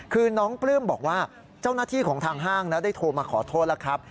คือน้องปลื้มบอกว่าเจ้าหน้าที่ของทางห้างได้โทรมาขอโทษแล้วครับ